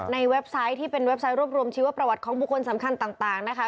เว็บไซต์ที่เป็นเว็บไซต์รวบรวมชีวประวัติของบุคคลสำคัญต่างนะคะ